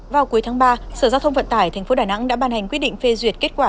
vào cuối tháng ba sở giao thông vận tải tp đà nẵng đã ban hành quyết định phê duyệt kết quả